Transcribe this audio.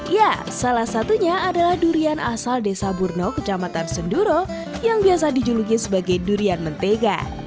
ya salah satunya adalah durian asal desa burno kecamatan senduro yang biasa dijuluki sebagai durian mentega